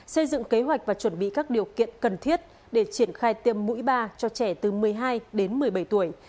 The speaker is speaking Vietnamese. xây dựng kế hoạch và chuẩn bị các điều kiện cần thiết để triển khai tiêm mũi ba cho trẻ từ một mươi hai đến một mươi bảy tuổi